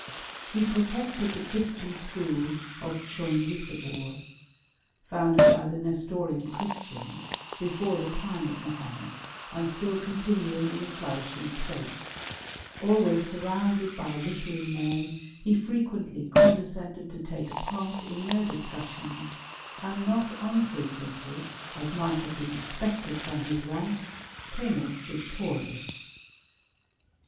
He pro : tected the Christian school of DschQndisabour, foundtti CUVM.9ft%Y OF *rH£ AEABUlrS. 113 by the Kestonan Cfaristians^ before the time of Maho met, and still continuing in a flourishing state : always surrounded by literary men, he frequently conde scended to take a part in their discussions, and not unfrequently, as might have been expected from his xanky came off victorious.